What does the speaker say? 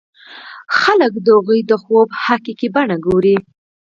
خلک د هغوی د خوب حقيقي بڼه ګوري.